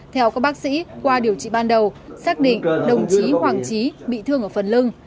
theo các bác sĩ qua điều trị ban đầu xác định đồng chí hoàng trí bị thương ở phần lưng